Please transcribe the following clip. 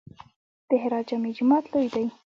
د هرات جامع جومات لوی دی